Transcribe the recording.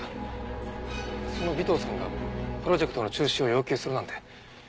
その尾藤さんがプロジェクトの中止を要求するなんて